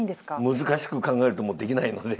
難しく考えるともうできないので。